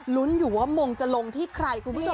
ลุ้นอยู่ว่ามงจะลงที่ใครคุณผู้ชม